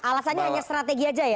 alasannya hanya strategi aja ya